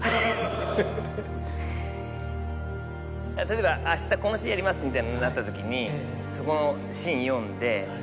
例えば「明日このシーンやります」みたいになったときにそこのシーン読んで。